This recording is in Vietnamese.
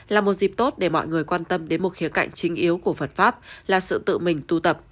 là một dịp tốt để mọi người quan tâm đến một khía cạnh chính yếu của phật pháp là sự tự mình tu tập